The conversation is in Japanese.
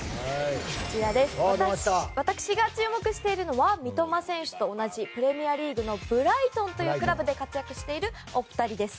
私が注目しているのは三笘選手と同じプレミアリーグのブライトンというクラブで活躍するお二人です。